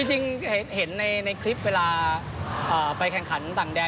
จริงเห็นในคลิปเวลาไปแข่งขันต่างแดน